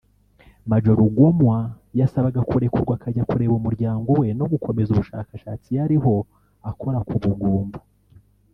Maj Rugomwa yasabaga kurekurwa akajya kureba umuryango we no gukomeza ubushakashatsi yariho akora ku bugumba